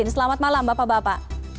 selamat malam bapak bapak